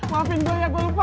maafin gue ya gue lupa